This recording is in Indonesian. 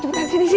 cepetan sini sini